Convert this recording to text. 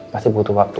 pasti butuh waktu